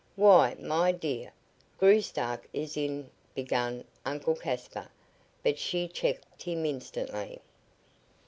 "Why, my dear sir, Graustark is in " began Uncle Caspar, but she checked him instantly.